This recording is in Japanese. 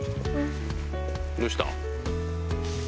どうした？